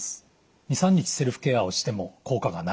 ２３日セルフケアをしても効果がない。